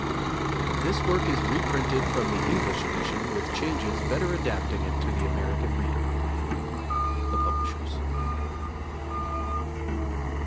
This work is reprinted from the English edition with changes better adapting it to the American reader. THE PUBLISHERS.